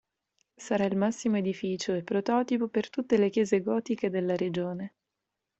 Sarà il massimo edificio, e prototipo, per tutte le chiese gotiche della regione.